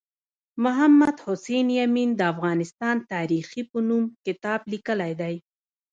محمد حسین یمین د افغانستان تاریخي په نوم کتاب لیکلی دی